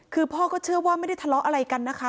คือพ่อก็เชื่อว่าไม่ได้ทะเลาะอะไรกันนะคะ